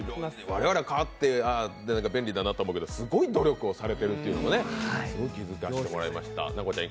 我々は買って便利だなと思うけどすごい努力をされてるっていうのも気づかせていただきました。